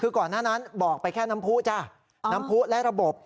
คือก่อนหน้านั้นบอกไปแค่น้ำผู้จ้ะน้ำผู้และระบบ